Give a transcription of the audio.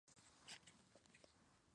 Publicado por Fundació La Caixa.